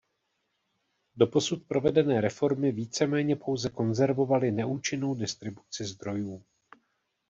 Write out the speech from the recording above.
Doposud provedené reformy více méně pouze konzervovaly neúčinnou distribuci zdrojů.